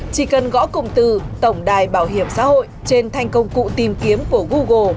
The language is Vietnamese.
chỉ cần gõ cụm từ tổng đài bảo hiểm xã hội trên thành công cụ tìm kiếm của google